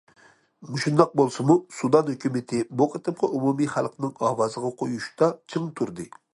مۇشۇنداق بولسىمۇ، سۇدان ھۆكۈمىتى بۇ قېتىمقى ئومۇمىي خەلقنىڭ ئاۋازىغا قويۇشتا چىڭ تۇردى.